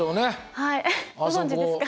はいご存じですか？